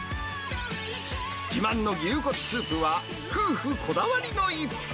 自慢の牛骨スープは、夫婦こだわりの逸品。